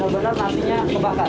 biar enak nasinya kebakar